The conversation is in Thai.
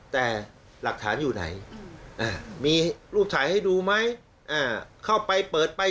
แต่หลักฐานอยู่ไหนมีรูปถ่ายให้ดูไหมเข้าไปเปิดไป